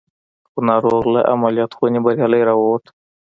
خو ناروغ له عملیات خونې بریالی را وووت